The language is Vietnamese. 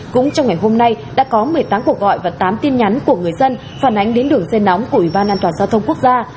cũng trong ngày hôm nay đã có một mươi tám cuộc gọi và tám tin nhắn của người dân phản ánh đến đường dây nóng của ủy ban an toàn giao thông quốc gia